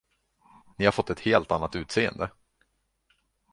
Ni har fått ett helt annat utseende.